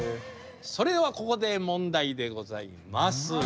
それではここで問題でございます。